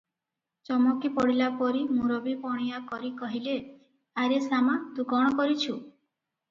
ଚମକି ପଡ଼ିଲାପରି ମୁରବିପଣିଆ କରି କହିଲେ, 'ଆରେ ଶାମା ତୁ କଣ କରିଛୁ?